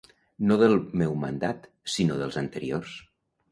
No del meu mandat, sinó dels anteriors.